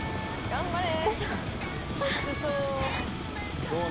頑張れ！